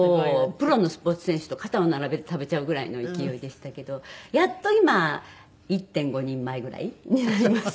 プロのスポーツ選手と肩を並べて食べちゃうぐらいの勢いでしたけどやっと今１．５人前ぐらいになりました。